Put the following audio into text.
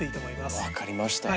分かりました。